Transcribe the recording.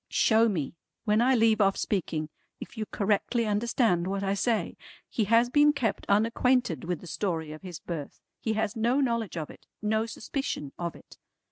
"Show me, when I leave off speaking, if you correctly understand what I say. He has been kept unacquainted with the story of his birth. He has no knowledge of it. No suspicion of it.